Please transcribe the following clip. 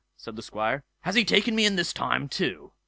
said the Squire, "has he taken me in this time too?"